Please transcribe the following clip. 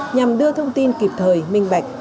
nhằm đưa thông tin kịp thời minh bạch